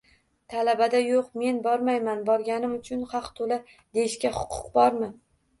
Talabada yoʻq men bormayman, borganim uchun haq toʻla deyishga huquq bormi?